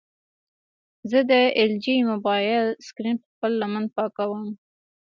زه د ایل جي موبایل سکرین په خپله لمن پاکوم.